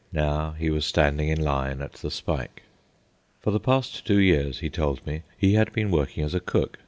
Now he was standing in line at the spike. For the past two years, he told me, he had been working as a cook.